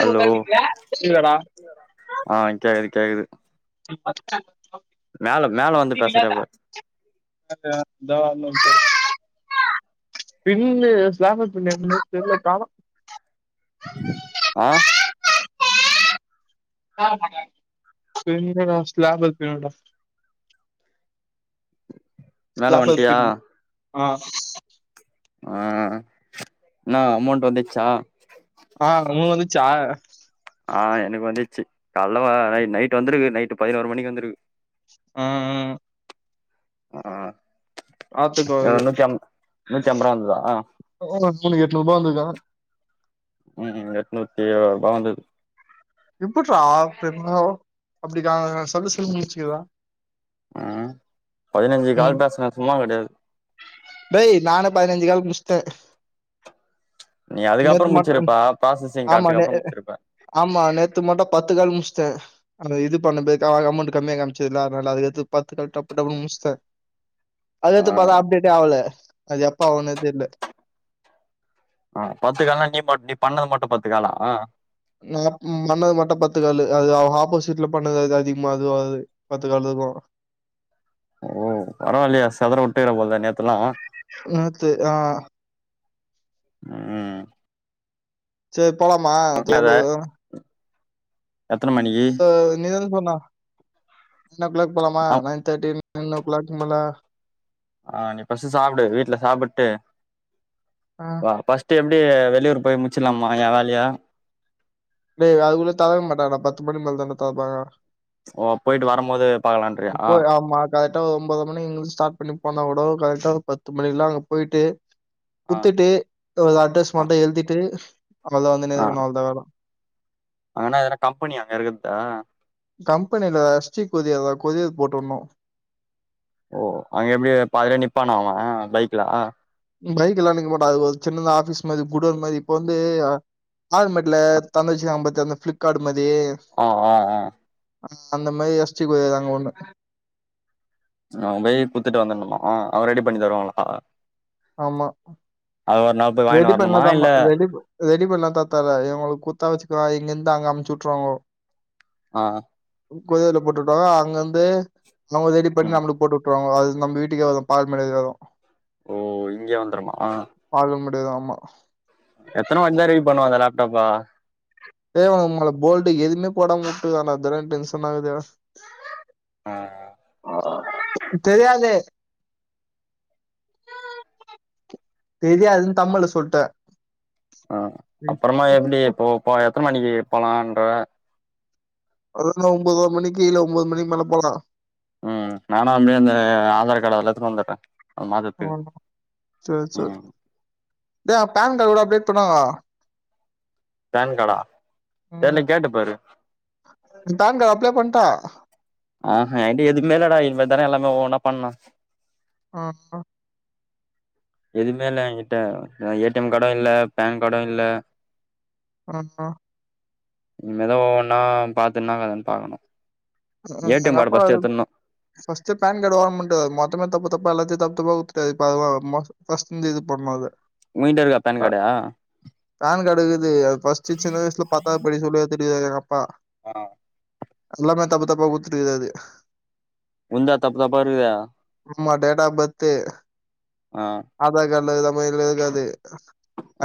Hello ஆ கேக்குது கேக்குது [unintelligible] [inaudible] மேல மேல வந்து இந்தா பேசுறியா பாரு ஒரு நிமிஷோ இரு பின்னு ஸ்டாப்ளர் பின்னு எடுத்துனு தெர்ல காணோ ஆ பின்னுடா ஸ்டாப்ளர் பின்னுடா மேல ஸ்லாபர் வன்ட்டியா? பின் ஆ ஆ என்னா அமௌண்ட் வந்துச்சா? ஆ அமௌண்ட் வந்துட் ச்சா ஆ எனக்கு வந்துட்ச்சு. கால்ல வா நை நைட் வந்திருக்கு நைட்டு பதினோரு மணிக்கி வந்துருக்கு. ஆ ஆ அ ஆ பாத்துக்கோ அது நூத்தி அம் நூத்தி அம்பரூவா வந்துதா உனக்கு எவ்ளோ எட்நூறுபா வந்துருக்கா? ம் ம் எட்நூத்தி இருபது ரூபா வந்துருக்கு. எப்ட்றா [unintelligible] அப்டிக்கா நா சொல்ல சொல்ல [unintelligible] ஆ பதினஞ்சு கால் பேசுனே சும்மா கெடையாது. டேய் நானு பதினஞ்சு கால் முட்ச்சிட்டே. நீ அதுக்கப்புறோ நேத்து மட்டு முச்சிருப்ப ப்ராசஸிங் ஆமா காட்டுக்கு நே அப்புறோ முச்சிருப்ப ஆமா நேத்து மட்டு பத்து கால் முட்ச்சிட்டே அந்த இது பண்ணதுக்கு ஆ அமௌண்ட் கம்மியா காமிச்சதுல்ல அதனால அது எடுத்து பாத்து க டப்பு டப்புனு முட்ச்சிட்டே அது ஆ எது து அது அப்டேட்டே ஆகல. அது எப்ப ஆவுன்னே தெர்ல. அ பத்து கால்னா நீ மட் நீ பண்ணது மட்டு பத்து காலா? நா ம் பண்ணது மட்டு பத்து காலு அது அவுங்க ஆப்போசிட்ல பண்ணது அது அதிகமா அது ஆகுது பத்து காலு இருக்கு ஓ பரவால்லயா செதற விட்டீகள போலயே நேத்தெலா நேத்து ஆ ம் சேர் போலாமா அத தோழரே எத்தன மணிக்கு செண்ணா என்ன பிளாக் போலாமா ஆம் நைன் தேட்டின் நைனோ கிளாக் மேல ஆஹ் நீ பஸ்ட் சாப்பிடு வீட்டு்ல சாப்பிட்டு ஆ வா பஸ்ட் டைம் எப்டி வெளியூர் போய் முச்சிலாம ஏன் வேலையா டேய் அதுக்குள்ளே தரவே மாட்டாங்க டா பத்து மணி மேல தா தருவாங்க ஓ போயிட்டு வரும்போது பாக்கலான்றியா ஆ போய் ஆமா கரெகட்டா ஒன்பது மணி எங்களுக்கு ஸ்டார்ட் பண்ணி போன கூட கரெக்டா பத்து மணி எல்லாம் அங்க போயிட்டு ஆ குத்துட்டு ஒரு அட்ரஸ் மட்டு எழுதிட்டு அவ்ளோதான் வந்துனே இருக்கணும் அவ்ளோ தான் வேல அங்கனா எதுன கம்பெனி அங்க இருக்குதுதா கம்பெனில எஸ் டி கொரிய கொரியர் போட்டுடணும் ஓ அங்க எப்டி பாதிலே நிப்பானா அவன் பைக்ல பைக் எல்லாம் நிக்க மாட்டான் அது சின்ன ஆபிஸ் மாரி குடேன்மாரி இப்ப வந்து ஆனமெட்ல திறந்து வச்சிருக்காரன் பாத்தியா அந்த பீளிப்கார்ட் மாரி ஆஹ் ஆஹ் ஆஹ் அந்த மாரி எஸ் டி கொரியர் அங்க ஒண்ணு நா போய் குத்துட்டு வந்துணமா அவ ரெடி பண்ணி தருவாங்கல ஆமா போய் வாங்கினு ரெடி பன்ல வரணுமா த இல்ல ம ரெடி பன் ரெடி இப்டி எல்லாம் தாத்தர எங்களுக்கு குத்தா வச்சுக்கான் இங்க இருந்து அங்க அமுச்சு விட்டுருவாங்கோ ஆஹ் கொரியர்ல போட்டுட்டாங்க அங்க இந்து நம்ம தேடி பெரிய ம் அமொவுண்ட் போட் அப்பறம் அது நம்ப வீட்டுக்கே வரும் பால் மேல வரும் ஓ இங்கே வந்துருமா அதான் ஆமா எத்தன வட்டித ரீ பண்ணுவ அந்த லேப்டாப்பா டேய் வோமல போல்டு எதுவுமே போடாம வுட்டு இருக்கடா அந்தடா டெனங்சன ஆகுது [unintelligible] ஆஹ் ஆஹ் தெரியாதே தெரியாதுனு தமிழ சொல்ட்ட ஆஹ் அப்பறமா எப்டி போப் ப எத்தன மணிக்கு போலாம்ன்ற அதுன்ன ஒம்பேதர மணிக்கு இல்ல ஒன்பது மணிக்கு மேல போலாம் உம் நானும் அப்படியே அந்த ஆதார் கார்டு அதெல்லா எடுத்து வந்துடுறேன் சேரி சேரி ம் ஏ பேன் கார்டு கூட அப்டே இப்பநாங்க பேன் கார்டா தெர்ல அஹ் கேட்டு பாரு அதாங்க அப்லே பண்ணிட்டா ஆஹ்ஹ என்ட எதுவுமே இல்லடா இனிமே தானே எல்லாமே ஒவ்வொண்ணா பண்ணும் ஆஹ்ஹ எதுவுமே இல்ல எங்கிட்ட ஏ டி எம் கார்டும் இல்ல பேன் கார்டும் இல்ல அப்ரன்ன இன்மேத ஒவ்வொன்னா பாத்துன்னா கதனு பாக்கணு ஏ டி எம் கார்டு அப்ப ஃபர்ஸ்ட் எத்துர்ணு பஸ்ட்டு பேன் கார்டு ஓபன் பண்டு மொத்தம அப்பா எல்லாத்தையும் தப்பு தப்பா இப்ப பிரஸ்ட்லே இருந்து இது பண்ணனும் அத மியின்டர் பான் கார்டா த்து பிரஸ்டு சின்ன வயசுல பத்தா படிக்க சொல்லு தெரியாது எங்க அப்பா ஆஹ் எல்லாமே தப்பு தப்ப குத்துட்டுக்காது உந்தா தப்பு தப்பா இருக்குது நம்ப டேட்டா ஆப் பத்து ஆ ஆதார் கார்டுல போய்லேக்காது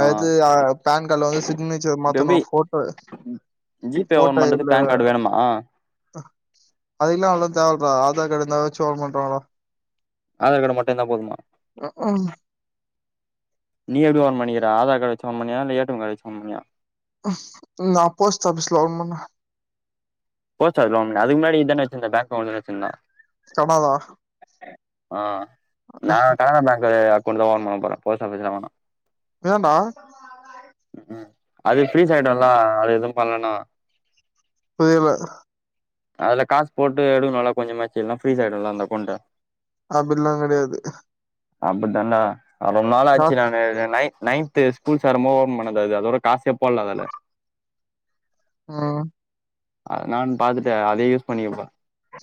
ஆ எத்து பான் கார்டுல வந்து சிக்னேச்சர் இப்ப மாத்தணு எப்டி போட்டோ ஜி பே ஓபன் போட்டோ இல்ல பண்றதுக்கு பேன் கார்டு வேணுமா அதுக்கல்லாம் அவளா தேவயில்லை டா ஆதார் கார்டு இருந்தசும் ஓபன் பண்றங்களா ஆதார் கார்டு மட்டும் இருந்த போதுமா உம் நீ எப்டி ஒபன் பண்ணிக்கிற ஆதார் கார்டு வச்சு ஓபன் பண்ணியா இல்ல ஏ டி எம் கார்டு வச்சு பண்ணியா நா போஸ்ட் ஆபிஸ்ல ஓபன் பண்ணுனே போஸ்ட் ஆபீஸ்ல ஓபன் பண்ணிய அதுக்கு முன்னாடி இதான வச்சுயிருந்த பேங்க் அக்கௌன்ட் வச்சிருந்தா [unintelligible] ஆஹ் நா கனரா பேங்க் கிடையா கொண்டு தான் வரனுனாபோறேன் போஸ்ட் ஆபீஸ் வேணா ஏன்டா உம் அது ஃப்ரீஸ் ஆயிடும்ல வேல எதும் பண்லான புரியல அதுல காஸ் போட்டு எடுக்குனுலா கொஞ்சமாச்சு இல்லனா ஃப்ரீஸ் ஆயிடும்லா அந்த அக்கௌன்ட்டு அப்பில்லா கிடையாது அப்டி தான்டா அது ரொம்ப நாளாச்சு நானு நைட் நைன்த்து ஸ்கூல் சேரும்மோ ஓபன் பண்ணது அது அதோட காசே போலா அதல உம் நான் பாத்துட்டே அதே யூஸ் பண்ணிக்கப்ப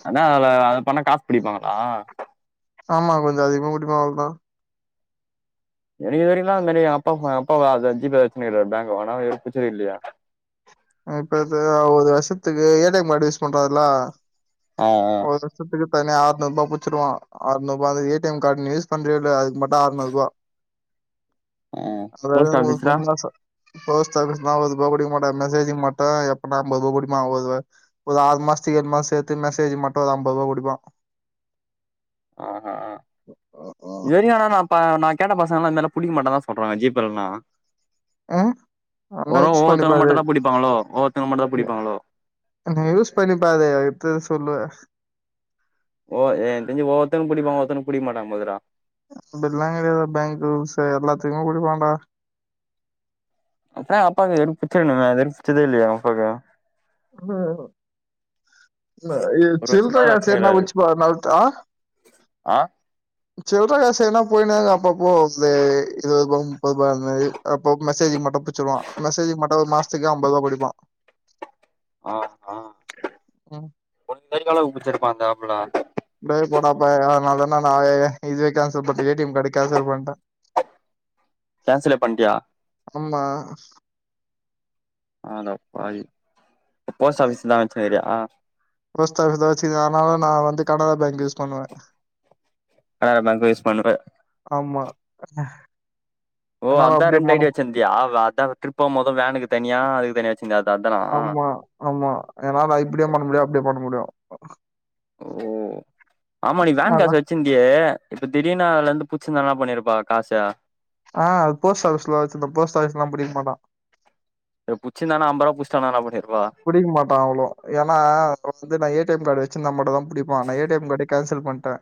ஆனா அதுல பண்ணா காஸ் புடிப்பாங்ளா ஆமா கொஞ்சோ அதிகமா புடிப்பாங்க அவ்ளதா எனக்கு இதுவரிலா அது மாதிரி அப்பா அப்பா ஜிபே வெச்சின்னுருக்காரு பேங்க் ஆனா எது பிரச்சன இல்லயே இப்ப ஒரு வருஷத்துக்கு A T M card use பண்றாருல்ல ஆ ஆ ஒரு வருசத்துக்கு இருக்கவங்க ஆநூற்பா புச்சுடுவா அநூரூவா அது ஏ டிஎ ம் கார்டு நீ யூஸ் பண்றீயில்லயோ அது மட்டு ஆநூரூபா ஆ அதாவது போஸ்ட் ஒரு ஆஃபீஸ்ல சும்மா சொ போஸ்ட் ஆபீஸ்ல அவளோதா புடிக்கமாட்டாங்க மெசேஜி மட்டு எப்புனா அம்பதுருவா புடிப்பா ஒரு ஒரு ஆறு மாஸ்துக்கு ஏழு மாஸ்துக்கு சேத்து மெசேஜ் மட்டு ஒரு அம்பதுருவா புடிப்பா ஆ [unintelligible] அ நா கேட்ட பசகெல்லா இந்தளவு புடிக்க மாட்டாங்க சொல்றாங்க ஜிபே இல்னா அ அதல்லா யூஸ் பண்ணி ஒவ்வொருத்தவங்க பாரு மட்டுந்தா புடிப்பாங்களோ ஒவ்வொருத்தவங்க மட்டுந்தா எ புடிப்பாங்களோ எனக்கு நீ யூஸ் பண்ணி பாரு எப்டின்னு சொல்லு ஓ என் தெருஞ்ச ஒருத்தனுக்கு புடிப்பா ஒருத்தனுக்கு புடிக்க மாட்டாங்குங்கறா பல்லா [unintelligible] ரூல்ஸ் எல்லாத்தையு உடுவாண்டா எத்ன அப்பாக்கு [unintelligible] புச்சதே இல்லயா அப்பாக்கு ம் இல்ல ஒரு சில்லற வருஷமா காசு எதுனா வச்சுனுக்குறாரு வச்சுப்பாருனா அதா ஆ சில்ற காசு எதுனா போயினேருக்கு அப்பப்போ சே இருவதுரூபா முப்பதுரூபா அது மாரி அப்பப்போ மெசேஜ் மட்டு வெச்சுருவா மெசேஜ் மட் ஒரு மாஸ்துக்கு அம்பரூவா புடிப்பா ஆ ஆ ம் உனக்கு இது வரைக்கு எவ்ளோக்கு புடிச்சிருப்பா அந்த ஆப்புல டே போடா பயனாலதான ஆ இதுவே கேன்சல் பண்ட்டு ஏ டிஎ ம் கார்டு கேன்சல் பண்ட்டா கேன்சலே பண்ட்டியா ஆமா அட பாவி போஸ்ட் ஆபீஸ்லதா வச்சுக்கிறியா போஸ்ட் ஆபீஸ்லதா வச்சிருந்த ஆனாலு நா வந்து கனராபேங்க் யூஸ் பண்ணுவ கனரா பேங்க் யூஸ் பண்ணுவ ஆமா ஓ என்னால அதா அப்டியே ரெண்டு பண்ண ஐடி வச்சிருந்தியா அதா ட்ரிப்போ மொது வேனுக்கு தனியா அதுக்தனியா ஆமா ஆமா ஏனா நா இப்டியு பண்ண முடியு அப்டியு பண்ண முடியு ஓ ஆமா நீ வேன் காசு அதான். வெச்சிருந்தியே இப்ப திடீர்னா அதுல இருந்து புச்சிருந்தல்லா பண்ணிருப்பா காச ஆ அது போஸ்ட் ஆபிஸ்ல வெச்சிருந்த போஸ்ட் ஆபிஸ்ல்லா புடிக்கமாட்டா புச்சுந்தான்னா அம்பதுரூவா புச்சுட்டானாலா முடியாது புடிக்கமாட்டா அவ்ளோ ஏன்னா வந்து நா ஏ டி எம் கார்டு வெச்சுருந்தா மட்டுதா புடிப்பா அவனே ஏ டி எம் கார்டே கேன்ஸ் த்தில் பண்ட்டே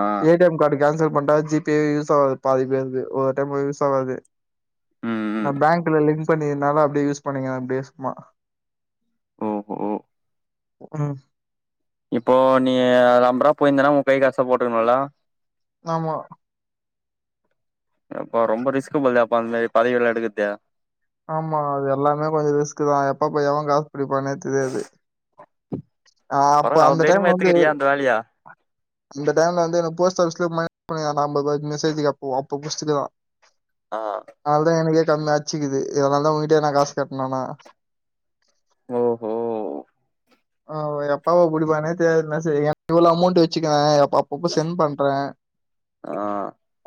ஆ A T M card cancel பண்ட்டா ஜி பே யூஸ் ஆவாது பாதி பேருக்கு ஒவ்வொரு டைமு யூஸ் ஆவாது. ம் நா ம் பேங்க்ல லிங் க் பண்ணிருக்னால அப்டியே யூஸ் பண்ணிக்கற அப்டியே சும்மா ஓஹோ க்கும் இப்போ நீ நம்பரா போயிருந்தனா உ கை காச போட்ருக்கணுல்ல ஆமா, அப்பா ரொம்ப ரிஸ்க் போல அப்பா அந்த பதவில்லா எடுக்றது. ஆமா அதெல்லாமே கொஞ்ச ரிஸ்க்குதா எப்பப்ப எவ காசு பிடிப்பான்னே தெரியாது. ஆ அப்ப பரவால்ல அந்த அவ்ளோ தைரியமா டைம்ல வந்து எத்துக்கிறியா அந்த வேலைய அந்த டைம்ல வந்து எனக்கு போஸ் [unintelligible] அப்ப புட்ச்சுட்ருக்கறா ஆ அவ்ளதா எனக்கே டம் அட்சிக்குது. இதனாலதா உங்கிட்டயே நா காசு கேட்னான்னா ஓஹோ ஆ எப்ப அவ புடிப்பான்னே தெரியாது நா செரி இவ்ளோ அமௌண்ட் வச்சுக்குவே அப்பப்ப சென்ட் பண்றே ஆ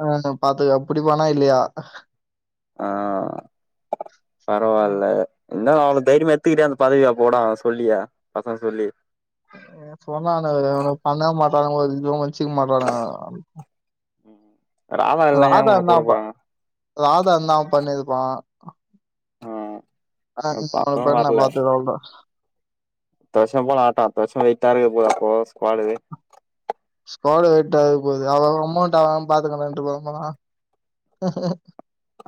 ஆ பாத்துக்க அப்டி போனா இல்லையா ஆ பரவால்ல இத் இல்ல அவ்ளோ தைரியமா எட்த்துக்கிறயே அந்த பதவிய போட சொல்லியே பசங்க சொல்லி ப்பற அவுங்க எதுவு வச்சுக்க மாட்றானுக. ம் ராதா இல்ல ஏன் உனக்கு குடுக்க ப போறாங்க ராதா இருந்தா அவ பண்ணிருப்பா ஆ ஆ [unintelligible] பாக்கவு அப்பற நா வர்ல பாத்துக்குவே அவ்ளவுதா [unintelligible] அப்போ ஸ்குவாடுது [unintelligible] போது அவ அவ அமௌண்ட் அவ அவ பாத்துக்கனுன்ட்டு கெளம்புறா ம்ம்மு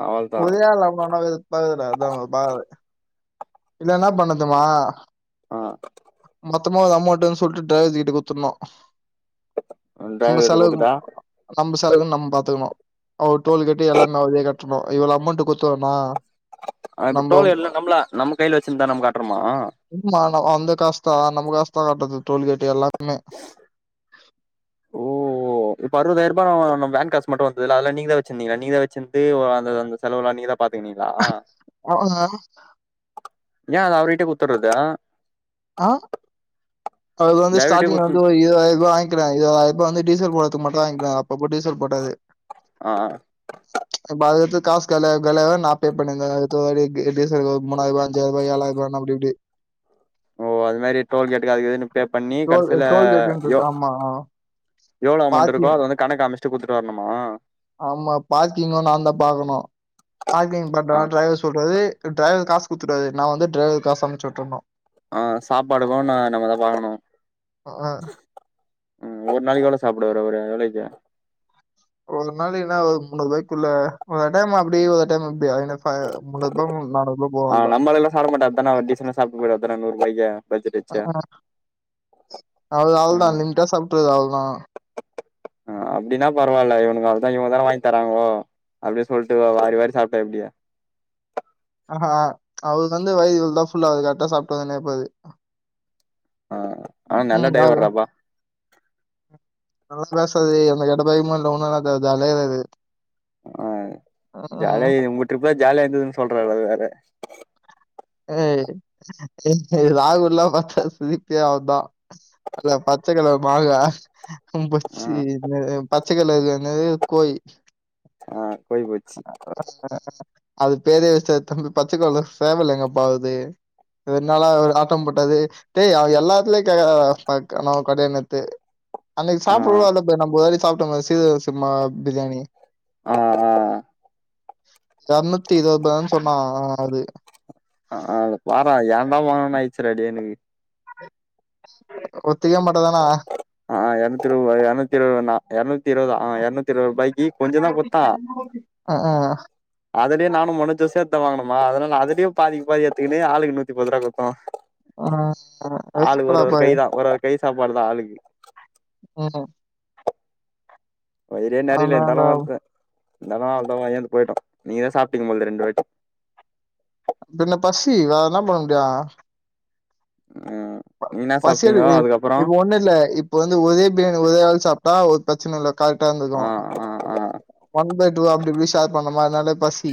அவள் தான் ஒரே ஆள லவ் பண்றோ அது [unintelligible] இல்லன்னா பண்ணட்டுமா ஆ மொத்தமா ஒரு அமெண்ட்டுன்னு சொல்ட்டு ட்ரைவர்கிட்ட குடுத்துட்னு அ ட்ரைவர்கிட்ட குட்த்துட்டா மித்த ஆளுகல நம்ம பாத்துக்கணு அவுரு டோல் கேட்டு எல்லாமே அவரே கட்டணு இவ்ளோ அமௌண்ட் குட்த்துறோண்ணா அ இப்ப டோல்கேட்லா நம்ப்ளே [unintelligible] நா ஆ அந்த காஸ்தா நம்ம காஸ்தா கட்றது டோல்கேட் எல்லாத்மே இப்போ இப்ப அறுபதாயிரூபா வேன் காசு மட்டும் வந்ததுல்ல அதெல்லா நீங்கதான் வச்சுருந்தீங்களா நீங்கதான் வச்சிருந்து அந்த செலவு எல்லா பாத்தீங்களா பாத்துனீங்களா அவங்க ஏன் அது அவருகிட்ட கூத்துர்றதா ஆங் அவரு வந்து டிரைவர்கிட்டயே ஸ்டாடிங்ல குடுத்து வந்து ஒரு இருவதாயிரரூவா வாய்ங்க்கினா வந்து டீசல் போடத்து மட்டும் தான் வாங்கிகிறாரு அப்போ டீசல் போட்டது ஆ இப்ப அத எடுத்து காசு காலியாவா காலியவ நான் பே பண்ணிருந்த டீசலுக்கு ஒரு மூனாயிருவா அஞ்சாயிருவா ஏழாயிருவா அப்டி இப்டி ஓ அது மாரி டோல் கேட்டுக்கு அது இதுக்குன்னு பே பண்ணி டோல் கடைசில டோல்கேட்ன்றது எவ் ஆமா ஆ எவ்ளோ அமௌண்ட் இருக்கோ பார்க்கிங் அத வந்து கணக்கு காமிச் பிரிச்சி கொடுத்துட்டு வரணுமா ஆமா பார்க்கிங்கும் நான் தான் பாக்கணும் பார்க்கிங் பண்ற ஆ டிரைவர் சொல்றது டிரைவர்க்கு காசு குடுத்துட்டாரு நா வந்து டிரைவர்க்கு காசு அமுச்சி உட்டுரனும் ஆஹ் சாப்பாடு நா நம்மதான் பாக்கணும் அஹ் உம் ஒரு நாளைக்கு எவ்வளோ சாப்பிடுவாரு ஒரு எவலோக்கி ஒரு நாள் என்னாவது மூன்னூருவாய்க்குள்ள ஒரு டைம் அப்டி ஒரு டைம் இப் மூண்ணுறுவா ஆ நாண்ணூறுவா நம்மளெல்லா சாப்ட மாட்டா அதான டீசெண்டா சாப்ட்டு போயிடுவா அதான நூறு ரூபாய்க்கு பட்ஜெட் வச்சு அவ்ளோ தான் லிமிடா சாப்பட்டுவாரு அவளோ ஆஹாம் [unintelligible] ஆஹ் அப்படின்னா பரவாயில்ல இவனுக்காலதான் இவன் தான் வாங்கி தராங்ககோ அப்டின்னு சொல்லிட்டு வாரி வாரி சாப்பிட்ட எப்டி ஆஹா அவருக்கு வந்து வயிரு வந்து ஃபுல்ல ஆகுது கரெக்டா சாப்பிட்டு வந்துனே இருப்பாரு ஆஹ் நல்ல டிரைவர்ட அப்ப நல்லா பேசாது எந்த கெட்ட பழக்கமும் இல்ல ஒண்ணு இல்ல ஜாலியா இருக்காரு உம் ஜாலியா இருக்குது உங்க ட்ரிப்ப ஜாலியா இருக்குதுன்னு சொல்றாரு அது வேற ஏய் ஏய் ராகுல்லாம் பாத்தா சிரிப்பே அவந்தான் அல்ல பச்ச கலர் மாங்க ஆ [unintelligible] பச்சைக்கலர்ல என்னது கோயி ஆஹ் கோயி போச்சி அது பெரிய விஷயத்த அந்த பச்சக்கலரு சேவல் எங்க குதுனால ஆட்டம் போட்டது தேய் அவ எல்லாத்துலயேணும் கடானத்து [unintelligible] அன்னக்கி ஆ சாப்ட கூட வர்ல போ நம்ப சாப்ட்டோங்க சீரகசம்மா பிரியாணி ஆஹ் ஆஹ் இறநூத்தி இருபதுரூபா சொன்னா ஆஹ் அது ஆஹ் அது வாரா ஏண்டா போனோம் ஆயி [unintelligible] ஒத்திக்க மாட்டதானா ஆ எரநூத்தி இருவதுருவா எரநூத்தி இருவதுருவானா எரநூத் த்தி இருவதா அ எரநூத்தி இருவது ரூவாய்கி கொஞ்சதா குடுத்தா அஆ அதிலியே நானு மனோஜூ சேந் து வாங்குனமா அதனால அதலயு பாதிக்கு பாதி எடுத்துக்குனு ஆளுக்கு நூத்தி பத்து ரூபா குடுத்தா ஆமமா அது [unintelligible] பாரு சாப்பாடுதா ஆளுக்கு ம் வயிரே நெறையில அதனால இருந்தாலு வன்ட்ட இந்தான்னா அவ்ளவா ஏந்து போயிட்டோ நீயே சாப்ட்டீங்து போல ரெண்டு பேர்த்து பின்ன பசி வேறென்ன பண்ண முடியு ம் ப நீங்க என்ன சாப்ட்டீங்கோ பசியெடுக்குது அதுக்கப்புறோ இப்போ ஒண்ணு இல்ல இப்ப வந்து ஒரே பிரியாணி ஒரே ஆள் சாப்ட்டா ஒத் பிரச்சனல்ல கரெட்டா இருந்து ஆ ஆ ஆ ஒன் பை டூ அப்டி போய் சேர் பண்ணோமா அதுனால பசி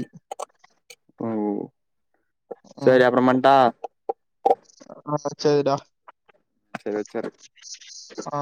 ஓ ம் சேரி அப்புறமேட்டா ஆ சேர்டா ம் சேர் சேர் ஆ